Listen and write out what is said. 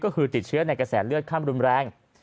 ก็คือติดเชื้อในกระแสเลือดขั้นรุนแรง